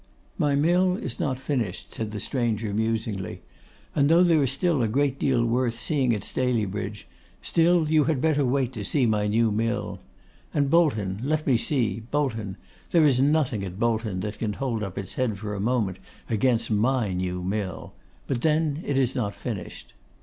'My mill is not finished,' said the stranger musingly, 'and though there is still a great deal worth seeing at Staleybridge, still you had better wait to see my new mill. And Bolton, let me see; Bolton, there is nothing at Bolton that can hold up its head for a moment against my new mill; but then it is not finished.